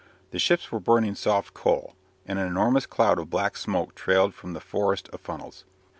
The ships were burning soft coal, and an enormous cloud of black smoke trailed from the forest of funnels.